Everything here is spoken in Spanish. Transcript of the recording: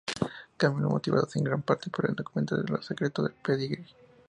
Cambios motivados, en gran parte, por el documental Los secretos del pedigrí.